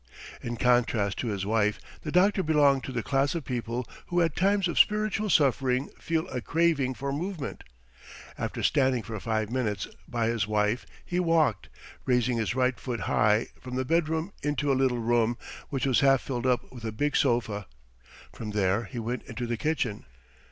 In contrast to his wife the doctor belonged to the class of people who at times of spiritual suffering feel a craving for movement. After standing for five minutes by his wife, he walked, raising his right foot high, from the bedroom into a little room which was half filled up by a big sofa; from there he went into the kitchen.